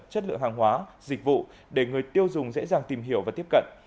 chất lượng hàng hóa dịch vụ để người tiêu dùng dễ dàng tìm hiểu và tiếp cận